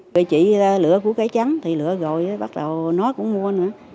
vì chị lựa của cây trắng thì lựa rồi bắt đầu nói cũng mua nữa